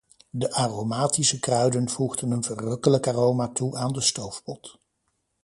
De aromatische kruiden voegden een verrukkelijk aroma toe aan de stoofpot.